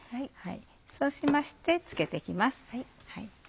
そうしましてつけて行きます。